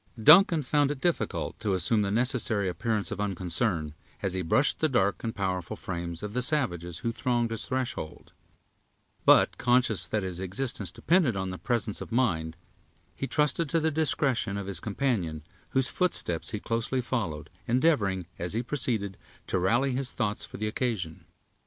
Duncan found it difficult to assume the necessary appearance of unconcern, as he brushed the dark and powerful frames of the savages who thronged its threshold; but, conscious that his existence depended on his presence of mind, he trusted to the discretion of his companion, whose footsteps he closely followed, endeavoring, as he proceeded, to rally his thoughts for the occasion.